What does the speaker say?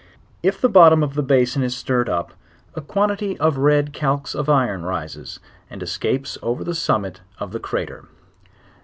If the bottom of the basin is stirred up, a quantity of red 14 210 JOURNAL OF calx of iron rises, and escapes over the summit of the cri < ter.